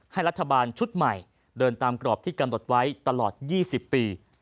ให้รัฐบาลชุดใหม่เดินตามกรอบที่กำหนดไว้ตลอด๒๐ปี